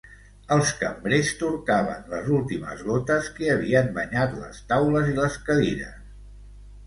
Els cambrers torcaven les últimes gotes que havien banyat les taules i les cadires.